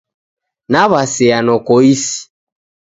Naw'asea noko isi.